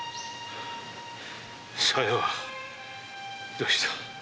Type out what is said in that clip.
小夜はどうした？